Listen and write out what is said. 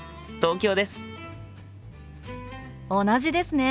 同じですね！